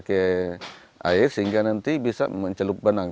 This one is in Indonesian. ke air sehingga nanti bisa mencelup benang